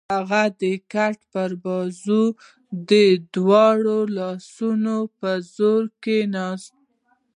هغه د کټ پر بازو د دواړو لاسونو په زور کېناست.